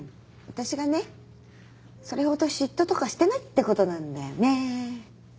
私がねそれほど嫉妬とかしてないってことなんだよね。